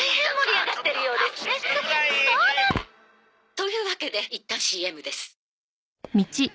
というわけでいったんＣＭです。